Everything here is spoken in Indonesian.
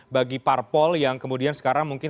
bagi parpol yang kemudian sekarang mungkin